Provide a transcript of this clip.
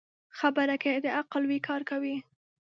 خبره که د عقل وي، کار کوي